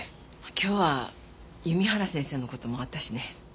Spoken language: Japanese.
今日は弓原先生の事もあったしね。